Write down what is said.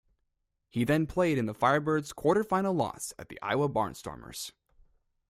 He then played in the Firebirds' quarter-final loss at the Iowa Barnstormers.